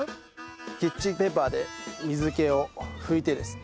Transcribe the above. キッチンペーパーで水気を拭いてですね